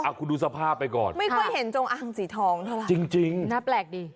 หรอคุณดูสภาพไปก่อนค่ะจริงน่าแปลกดิไม่ค่อยเห็นจงอางสีทองเท่าไร